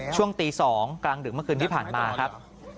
ช่วงตี๒กลางดึกเมื่อคืนที่ผ่านมาครับ